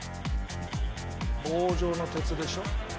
棒状の鉄でしょ。